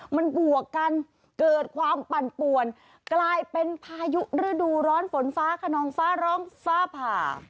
มันบวกกันเกิดความปั่นป่วนกลายเป็นพายุฤดูร้อนฝนฟ้าขนองฟ้าร้องฟ้าผ่า